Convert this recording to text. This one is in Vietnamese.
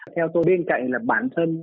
theo tôi bên cạnh là bản thân